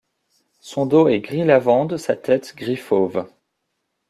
Son dos est gris lavande, sa tête gris fauve.